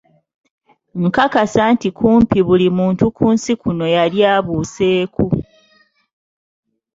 Nkakasa nti kumpi buli muntu ku nsi kuno yali abuuseeko.